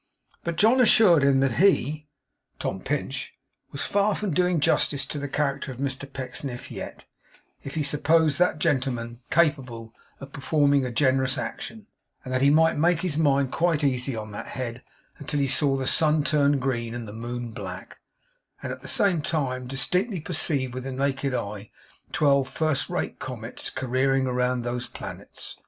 But John assured him that he (Tom Pinch) was far from doing justice to the character of Mr Pecksniff yet, if he supposed that gentleman capable of performing a generous action; and that he might make his mind quite easy on that head until he saw the sun turn green and the moon black, and at the same time distinctly perceived with the naked eye, twelve first rate comets careering round those planets.